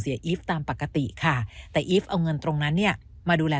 อีฟตามปกติค่ะแต่อีฟเอาเงินตรงนั้นเนี่ยมาดูแล